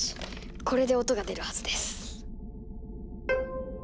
これで音が出るはずです。